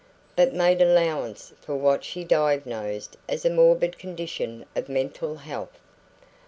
but made allowance for what she diagnosed as a morbid condition of mental health.